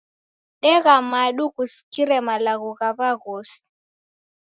Degha madu kusikire malagho gha w'aghosi.